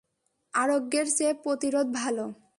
আরোগ্যের চেয়ে প্রতিরোধ ভালো।